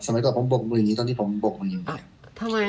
สมัยก่อนผมบกมืออย่างงี้ตอนที่ผมบกมืออย่างงี้